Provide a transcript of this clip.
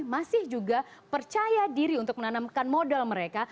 masih juga percaya diri untuk menanamkan modal mereka